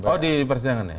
oh di persidangan ya